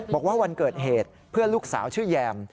บอกว่าวันเกิดเหตุเพื่อนลูกสาวชื่อแยม